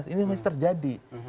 ini masih terjadi